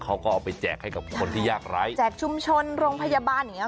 เขาก็เอาไปแจกให้กับคนที่ยากไร้แจกชุมชนโรงพยาบาลอย่างเงี้